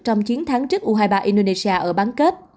trong chiến thắng trước u hai mươi ba indonesia ở bán kết